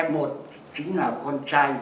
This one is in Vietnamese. f một chính là con trai